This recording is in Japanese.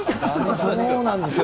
そうなんですよ。